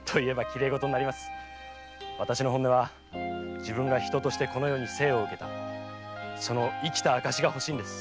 私の本音は自分が人としてこの世に生を受けたその生きた証が欲しいのです！